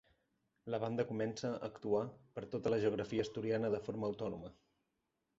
La banda comença a actuar per tota la geografia asturiana de forma autònoma.